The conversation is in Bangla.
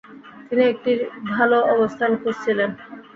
তিনি একটি ভাল অবস্থান খুঁজছিলেন।